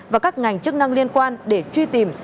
và các ngành chức năng liên quan để truy tìm